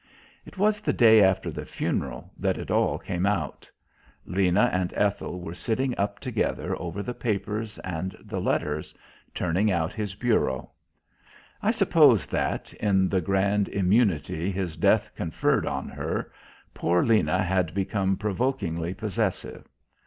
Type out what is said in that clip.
It was the day after the funeral that it all came out. Lena and Ethel were sitting up together over the papers and the letters, turning out his bureau. I suppose that, in the grand immunity his death conferred on her, poor Lena had become provokingly possessive.